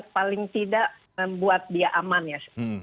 paling tidak membuat dia aman ya